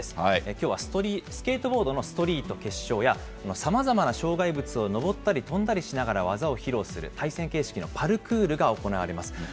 きょうは、スケートボードのストリート決勝や、さまざまな障害物を登ったり飛んだりしながら技を披露する、対戦形式のパルクールが行われます。